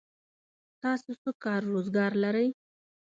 تاسو څه کار روزګار لرئ؟